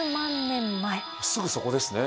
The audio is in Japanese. すぐそこですね。